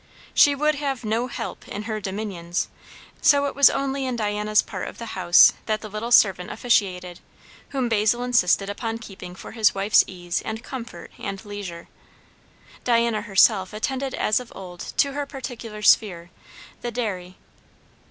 She would have no "help" in her dominions, so it was only in Diana's part of the house that the little servant officiated, whom Basil insisted upon keeping for his wife's ease and comfort and leisure. Diana herself attended as of old to her particular sphere, the dairy.